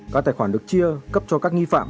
các tài khoản được chia cấp cho các nghi phạm